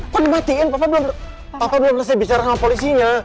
kok dimatiin papa belum papa belum selesai bicara sama polisinya